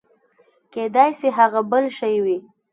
کېداى سي هغه بل شى وي.